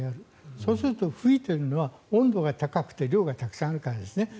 そうすると噴いているのは温度が高くて量がたくさんあるからですね。